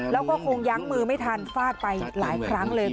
แล้วก็คงยั้งมือไม่ทันฟาดไปหลายครั้งเลย